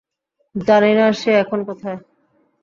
জানি না সে এখন কোথায়?